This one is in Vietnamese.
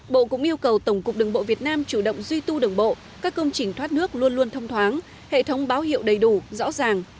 bộ cũng yêu cầu tổng cục đường bộ việt nam chủ động duy tu đường bộ các công trình thoát nước luôn luôn thông thoáng hệ thống báo hiệu đầy đủ rõ ràng